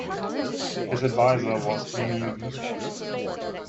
His advisor was Emil Wiechert.